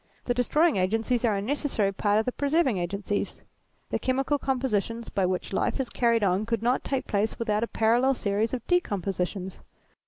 The destroying agencies are a necessary part of the preserving agencies : the chemical compositions by which life is carried on could not take place without a parallel series of decompositions.